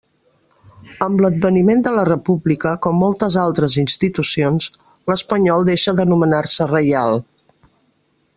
Amb l'adveniment de la República, com moltes altres institucions, l'Espanyol deixa d'anomenar-se Reial.